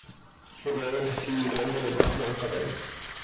Fue rodado en un estudio grande en el Bajo Manhattan.